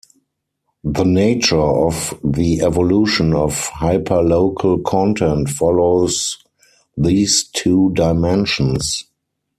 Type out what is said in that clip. The nature of the evolution of hyperlocal content follows these two dimensions.